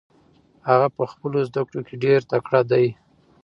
هغه په خپلو زده کړو کې ډېر تکړه دی.